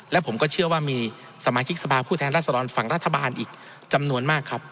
และผมก็เชื่อว่ามีสมาชิกสภาพผู้แทนรัศดรฝั่งรัฐบาลอีกจำนวนมากครับ